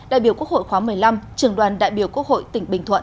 đại biểu quốc hội khóa một mươi năm trường đoàn đại biểu quốc hội tỉnh bình thuận